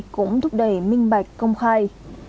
cũng thúc đẩy minh mạch công khai